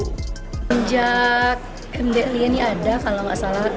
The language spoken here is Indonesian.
sejak mdlj ini ada kalau tidak salah